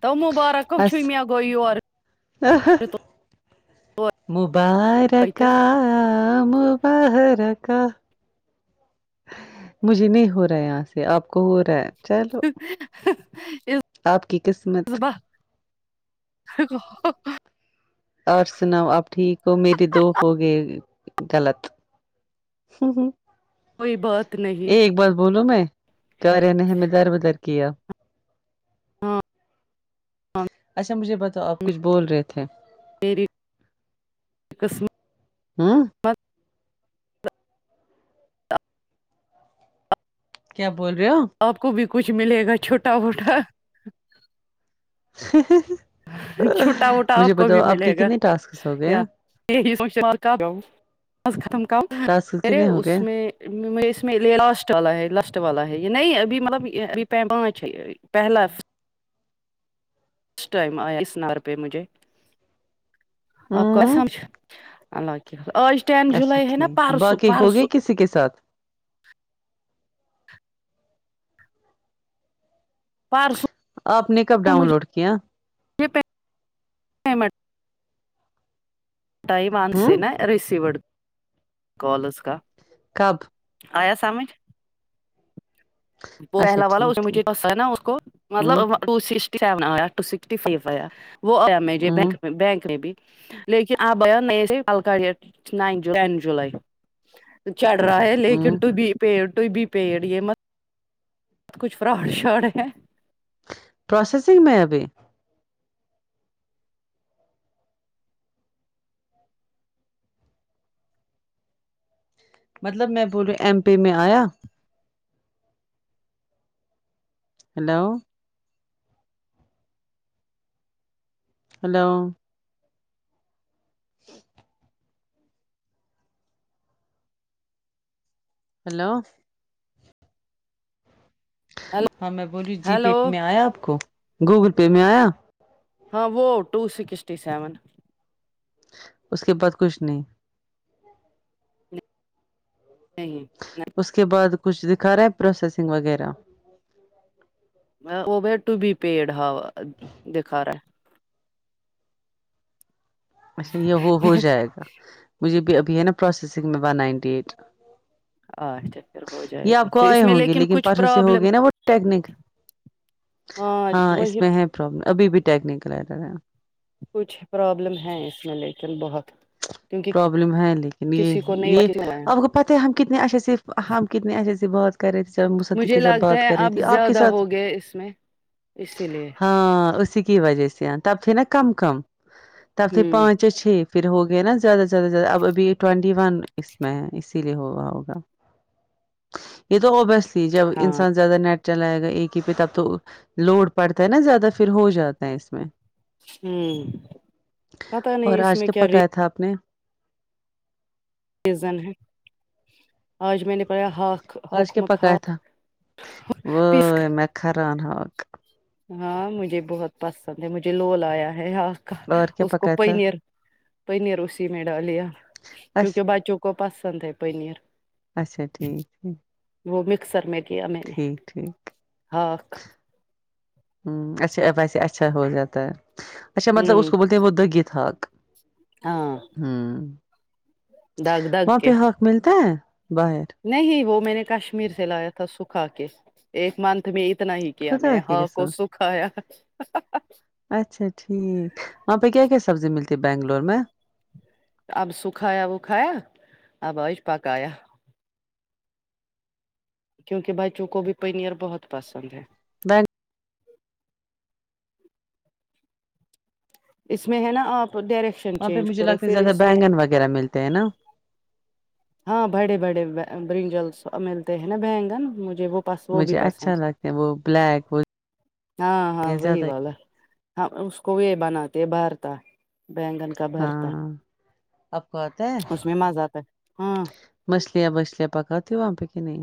تو مبارک ہو [unintelligible] مبارکا ہم براکا مجھے نہیں ہو رہا ہے یہاں سے آپ کو ہو رہا ہے چلو اس آپ کی قسمت اور سناؤ آپ ٹھیک ہو میرے دو ہو گئے غلط کوئی بات نہیں ایک بات بولو میں [unintelligible] در بدر کیا ہاں اچھا مجھے بتاؤ آپ کچھ بول رہے تھے قسم اوں کیا بول رہے ہو آپ کو بھی کچھ ملے گا چھوٹا بھوٹا چھوٹا موٹا مجھے آپ کو بھی بتاؤ کے ملے گا کتنے ٹاسکس ہو گئے [unintelligible] ختم کام ٹاسکس کتنے ہو گئے اس میں اس میں یہ لاسٹ والا ہے لاسٹ والا ہے یہ نہیں ابھی مطلب ابھی پانچ ہے پہلا ٹائم آیا [unintelligible] اسر پہ مجھے ہوں اللہ کی آج ٹن اچھا جلائی ہے نا ٹھیک پرسو باقی ہو گئے پرسو کسی کے ساتھ پرسوں آپ نے کب ڈاؤن لوڈ کیا یہ [unintelligible] ٹائم آ سے ہوں نا ریسیوڈ کالز اسکا کب آیا سامج وہ اچھا پلا والا ٹھیک مجھ ٹھیک نا اس کو ہوں مطلب ٹو سکسٹی سیون آیا ٹو سکسٹی فائیو آیا وہ آیا مجھے ہوں بک بینک میں بھی لیکن آپ [unintelligible] date nine July ten July چڑھ رہا ہے لیکن ہوں تو بھی پیڈ ٹو بی پیڈ یہ مت کچھ فراڈ شاڈ ہیں پروسیسنگ میں ابی مطلب میں پورے ایم پی میں آیا ہیلو ہلو ہیلو ہاں میں بولیی جی پے ہیلو میں آیا آپ کو گوگل پے میں آیا ہاں وہ ٹو سکسٹی سیون اس کے بعد کچھ نہیں نہیں اس کے بعد کچھ دکھا رہا ہیں پروسیسنگ وغیرہ ابی ٹو بی پیڈ ہاؤ دکھا رہا ہے اچھا یہ وہ ہو ہے جائے گا مجھے بھی ابھی ہے نا پروسیسنگ میں ون نائنٹی ایٹ اچا پھر ہو جائے یہ گا آپ کو پھر اس آئے میں ہوں گے لیکن کچھ پرسوں سے ہو پرابلم گئے نا وہ ٹیکنیکل ہاں وہ اس میں ہے پرابلم ابھی بھی ٹیکنیکل ایرر ہے کچھ پرابلم ہیں اس میں لیکن بہت کیونکہ پرابلم ہے لیکن یہ کسی کو یہ نہیں اب کو پتہ ہے ہم کتنے اچھے سے ہم کتنے اچھے سے بات کر رہی تھی جب مسی مجھے کے سھ لگتا بات ہے کر رہی اب تھی آپ کے زیادہ ساتھ ہو گئے اس میں اسی لیے ہاں اسی کی وجہ سے تب پھر نا کم کم تب پھر ہوں پانچ یا چھ پھر ہو گیا نا زیادہ زیادہ زیادہ اب اب ٹوینٹی ون اس میں ہے اسی ہاں [unintelligible] زیادہ نیٹ چلائے گا ایک ہی پہ تب تو لوڈ پڑتا ہے نا زیادہ پھر ہو جاتا ہے اس میں ہوں پتا نہیں اور اس آج میں کیا ری پکایا تھا آپ نے یزن ہے آج میں نے پڑھا ہاک آج کیا حکمت پکایا ہاک تھا وہ پسک میں کران ہق ہاں مجھے بہت پسند ہے مجھے لول آیا ہے ہاں اور کیا اس کو پکایا تھا پیر پیر اسی میں ڈالیا بس کیونکہ بچوں کو کو پسند ہے پنیر اچھا ٹھیک وہ مکسر میں کیا میں نے ٹھیک ٹھیک ہااک ہمم اچھا ویسے اچھا ہو جاتا ہے اچھا مطلب اس ہوں کو بولتے ہیں وہ دگی تھاک ہاں ہمم دگ دگ وہاں کے پہ ہااک ملتا ہے باہر نہیں وہ میں نے کشمیر سے لایا تھا سکھا کے ایک منتھ میں اتنا ہی کیا میں خدا نے ہا کی اک کو قسم سکھایا اچھا ٹھیک وہاں پہ کیا کیا سبزی ملتی ہے بنگلور میں اب سکھایا وکھایا اب آج پکایا کیونکہ بچوں کو بھی پینئیر بہت پسند ہے دان اس میں ہے نا آپ ڈائریکٹ وہاں پہ مجھے لگتا ہے زیادہ بینگن وغیرہ ملتے ہیں نا ہاں بڑے بڑے برنجلس ملتے ہیں نا بینگن مجھے وہ پس وہ بھی مجھے پس ہیں اچھا لگتا ہے وہ بلیک وہ ہاں ہاں وہی زیادہ والا ہے ہا اس کو یہ بناتے بھرتا بیینگن کا بھرتا ہاں آپ کو آتا ہے اس میں مزہ آتا ہے ہاں مچھلیاں بچھلیاں پکاتی ہو وہاں پہ کہ نہیں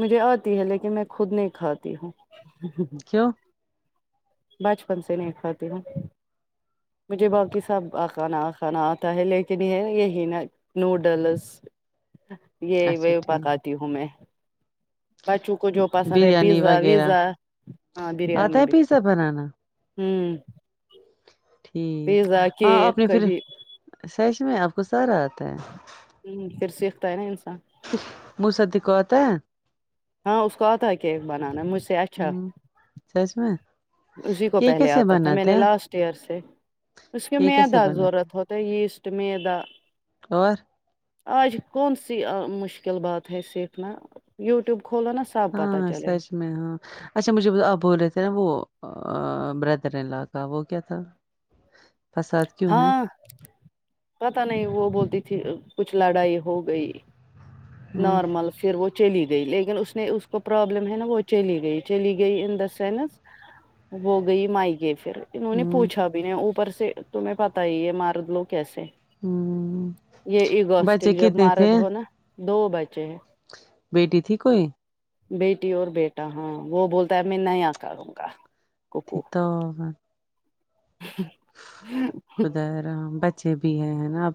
مجھے آتی ہے لیکن میں خود نہیں کھاتی ہوں کیوں بچپن سے نہیں کھاتی ہوں مجھے باقی سب آ کانا آ کانا آتا ہے لیکن یہ یہی نا نوڈلس یہ وہ اچھا ٹھیک پکاتی ہوں میں بچوں کو جو پسند ہے بریانی پیزا وغیرہ ویزا ہاں آتا بریانی ہے بھی پیزا بنانا ہوں ٹھیک پیزا ہاں آپ کیک نے پھر کبھی سچ میں آپ کو سارا آتا ہے ہ پھر سیکھتا ہے نا انسان م ستی کو آتا ہے ہاں اس کو آتا ہے کیک بنانا ہے مجھ سے اچھا ہمم سچ میں اسی کو یہ پہلے کیسے آتا تھا میں بناتا نے ہے لاسٹ یار سے اس کے یہ کیسے میدہ بناتا ضرورت ہوتا یہسٹ میدہ اور آج کون سی مشکل بات ہے سیکھنا وٹیوب کھولو نا سب پتہ ہاں چلے سچ میں ہاں اچھا مجھے آپ بول رہے تھے نا وہ بردر ان لو کا وہ کیا تھا فساد کیوں ہے ہاں پتا نہیں وہ بولتی تھی کچھ لڑائی ہو گئی ہمم نارمل پھر وہ چلی گئی لیکن اس نے اس کو پرابلم ہے نا وہ چلی گئی چلی گئی ان دا سینس وو گئی میکے پھر انہوں نے ہمم پوچھا بھی نے اوپر سے تمہیں پتا ہی یہ مرد لوگ کیسے ہمم یہ ایگوسٹک بچے جب کتنے تھے مارد ہو نا دو بچے ہیں بیٹی تھی کوئی بیٹی اور بیٹا ہاں وہ بولتا ہے میں نہیں آ کروں گا کوکو [unintelligible] خدا رام بچے بھی ہے نا اب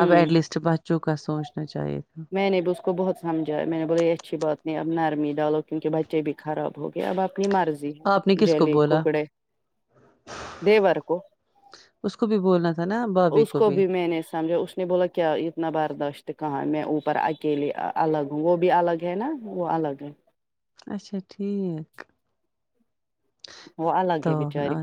اب ایٹ لیسٹ چکا سوچنا چاہیے تھا میں نے بھی اس کو بہت سمجھایا میں نے بولے یہ اچھی بات نہیں اب نرمی ڈالو کیونکہ بچے بھی خراب ہو گئے اب اپنی مرضی آپ نے کس کو جلی بولا ککڑے دے وار کو اس کو بھی بولنا تھا نا بھابھی اس کو بھی میں نے سمجھا اس نے بولا کیا وتنا برداشت کہاں مے اوپر اکیلے الگ وہ بھی الگ ہے نا وہ الگ ہے اچھا ٹھیک وہ الگ تو ہے بچاری آ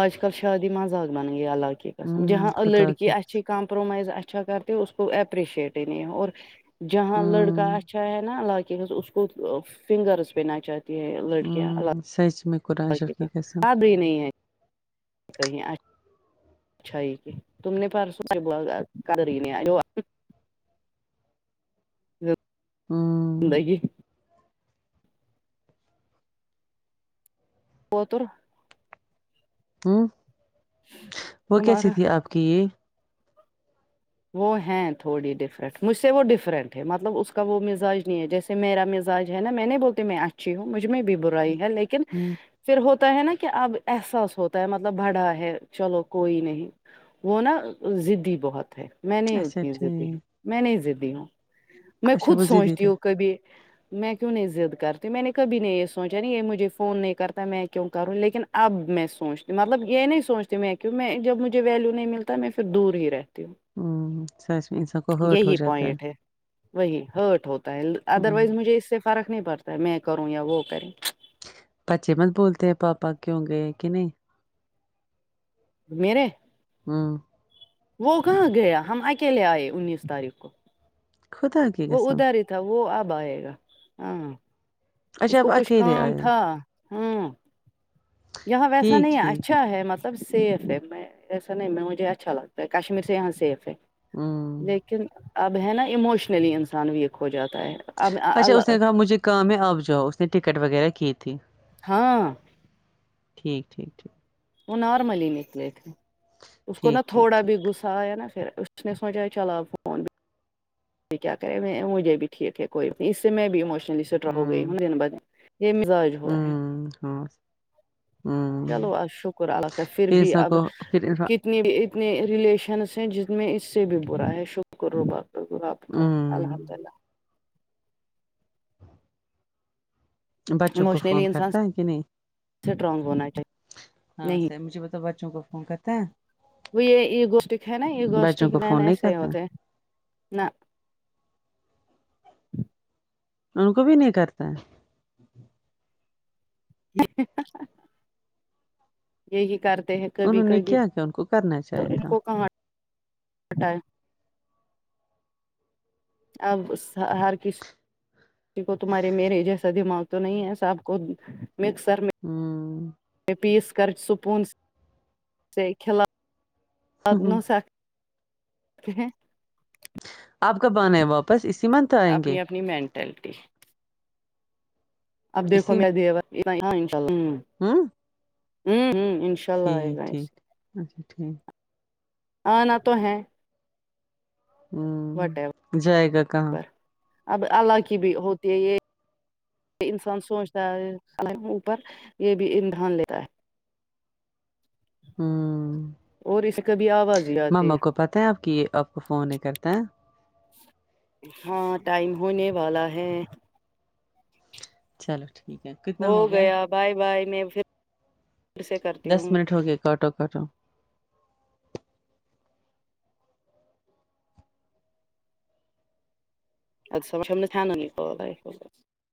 آج کل شادی مذاق بن گیا الله کی قسم جہاں خدا لڑی کی اسھی قسم، کمپرومائز اچھا کرتے اس کو اپریشیٹ ہی نہیں ہے اور جہاں لڑکا ہوں اچھا ہے نا عقے کا اس کو فنگرس پہینا چاہتی ہے لڑکیاں [unintelligible] ابھی نہیں ہے [unintelligible] [inaudible] ہوں [unintelligible] [unintelligible] ہوں وہ تمہارا کیسی تھی آپ کی وہ ہیں تھوڑی ڈفرنٹ مجھ سے وہ ڈفرینٹ ہے مطلب اس کا وہ مزاج نہیں ہے جیسے میرا مزاج ہے نا میں نہیں بولتی میں اچھی ہوں مجھ میں بھی برائی ہے لیکن ہ پھر ہوتا ہے نا کہ اب احساس ہوتا ہے مطلب بڑا ہے چلو کوئی نہیں وہ نا ضدی بہت ہے میں نہیں اچھا ہوتی ہوں ضدی ٹھیک میں نہیں ضدی ہوں میں اچھا خود وہ ضدی سوچتی رہے ہوں کبھی میں کیوں نہیں ضد کرتی میں نے کبھی نے یہ سوچا نہیں یہ مجھے فون نہیں کرتا میں کیوں کروں لیکن اب میں سوچتی ہوں مطلب یہ نہیں سوچتی میں کیوں میں جب مجھے ویلیو نہیں ملتا میں پھر دور ہی رہتی ہوں [unintelligible] یہی پوائنٹ ہے وہی ہرٹ ہوتا ہے ادر ہوں وائز مجھے اس سے فرق نہیں پڑتا ہے میں کروں یا وہ کریں بچے مت بولتے ہیں پاپا کیوں گئے کہ نہیں میرے ہمم وہ کہاں گیا ہم اکیلے آئے انیس تاریخ کو خدا کی وہ قسم ادھر تھا وہ اب آئے گا ہاں اس اچھا کو آپ کچھ اکیلے کام آئے تھا ہمم یہاں ویسا ٹھیک نہیں ہے ٹھیک اچھا ہے مطلب سب سیف ہے میں ایسا نہیں مجھے اچھا لگتا ہے کشمیر سے یہاں سیف ہے ہوں لیکن اب ہے نا اموشنلی انسان بھی ہو جاتا ہے اب اچھا ااال اس نے کہا مجھے کام ہے آپ جاؤ اس نے ٹکٹ وغیرہ کی تھی ہاں ٹھیک ٹھیک ٹھیک وہ نارملی نکلے تھے اس کو ٹھیک نا ٹھیک تھوڑا بھی ٹھیک گس تھا ہے نا پھر اس نے سوچا چلا کہ کیا کرے میں مجھے بھی ٹھیک ہے کوئی بھی نہیں اس سے میں بھی اموشنلی سیٹ رہو گی ہوں دن بہ دن [unintelligible] ہمم ہاں ہوں چلو آ شکر اللہ کا پھر بھی اس اب کو پھر ہوں کت اتنے اتنے اتنے ریلیشنس ہیں جس میں اس سے بھی برا ہے شکر رباک کر کر الحمد اللہ بچوں کو اموشنلی فون انسان کرتا ہے کہ نہیں سٹرانگ ہونا چاہیے ہاں نہیں مجھے بتاؤ بچوں کو فون کرتا ہے وہ یہ ایگوسٹک ہے نا بچوں ایگوسٹک کو مین فون نہیں ایسے کرتا ہوتے نہ ان کو بھی نہیں کرتا ہے یہی کرتے ہیں کبھی انہوں نے کبھی کیا کیا ان کو کرنا تو چاہیے ان تھا کو کہاں ہٹائے اب غصہ ہر کس کو تمہارے میرے جیسا دماغ تو نہیں ہے سب کو مکسر میں ہمم پیس کر سپون سے کھلا آپنا سر اب کب آنا ہے واپس اسی منتھ آئیں گے اپنی اپنی مینٹلٹی اب دیکھو میں دیوار ایگا انشاءاللہ ہمم ہمم ہمم انشاء اللہ آئے گا ٹھیک ایسے اچھا ٹھیک آنا تو ہیں ہ وٹ ای جائے گا کہاں ور اب اللہ کی بھی ہوتی ہے یہ انسان سوچتا ہے اوپر یہ بھی امتحان لیتا ہے ہ اور اسے کبھی آواز ہی آتی ہے پتا ہیں آپ کہ یہ آپ کو فون نہیں کرتے ہیں ہاں ٹائم ہونے والا ہے چلو ٹھیک ہے کتنا ہو گیا بائے بائے میں پھر سے کرتی دس منٹ ہو گئے کاٹو کاٹو ا سب سامنے چھان ہو نہیں تو